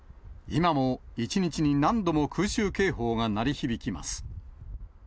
今も１日に何度も空襲警報が鳴り響きます。